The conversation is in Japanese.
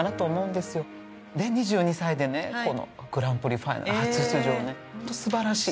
で２２歳でねこのグランプリファイナル初出場ねホント素晴らしい！